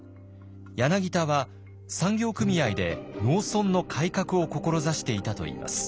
柳田は産業組合で農村の改革を志していたといいます。